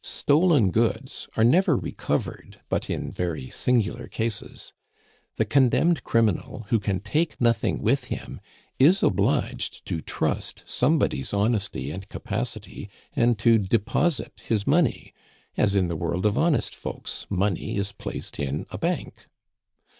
Stolen goods are never recovered but in very singular cases. The condemned criminal, who can take nothing with him, is obliged to trust somebody's honesty and capacity, and to deposit his money; as in the world of honest folks, money is placed in a bank.